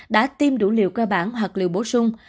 đã tiêm đủ liều cơ bản hoặc liều bổ sung